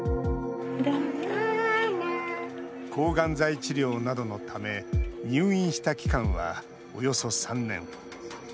抗がん剤治療などのため入院した期間は、およそ３年。